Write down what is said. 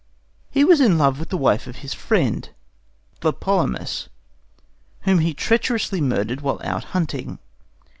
He was in love with the wife of his friend, Tlepolemus, whom he treacherously murdered while out hunting.